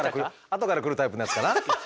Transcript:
後から来るタイプのやつかな？